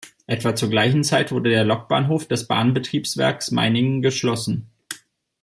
Etwa zur gleichen Zeit wurde der Lokbahnhof des Bahnbetriebswerkes Meiningen geschlossen.